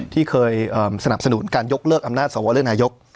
ที่เคยสนับสนุนการยกเลิกอำนาจเพื่อเริ่มนายก